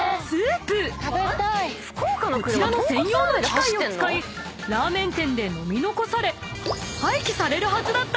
［こちらの専用の機械を使いラーメン店で飲み残され廃棄されるはずだった］